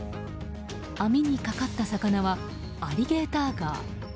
網にかかった魚はアリゲーターガー。